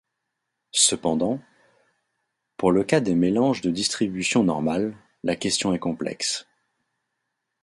Cependant, pour le cas des mélanges de distributions normales, la question est complexe.